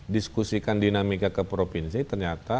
diskusikan dinamika ke provinsi ternyata